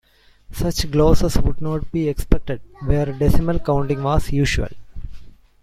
Such glosses would not be expected where decimal counting was usual.